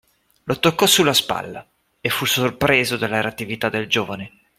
Lo toccò sulla spalla, e fu sorpreso della reattività del giovane